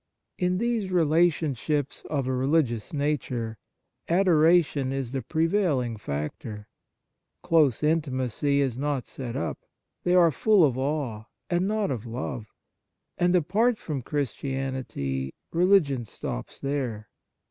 In these relationships of a religious nature, adoration is the prevailing factor ; close intimacy is not set up : they are full of awe, and not of love. And, apart from Christianity, religion stops there.